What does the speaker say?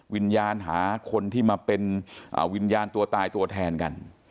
วิญญาณหาคนที่มาเป็นวิญญาณตัวตายตัวแทนกัน